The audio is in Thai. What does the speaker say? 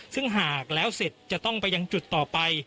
ซึ่งหากแล้วเสร็จจะต้องไปยังจุดต่อไป